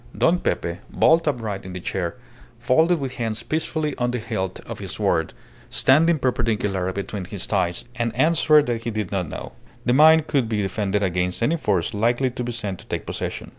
Don Pepe, bolt upright in the chair, folded his hands peacefully on the hilt of his sword, standing perpendicular between his thighs, and answered that he did not know. The mine could be defended against any force likely to be sent to take possession.